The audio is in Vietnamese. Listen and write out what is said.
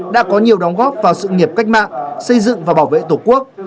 đã có nhiều đóng góp vào sự nghiệp cách mạng xây dựng và bảo vệ tổ quốc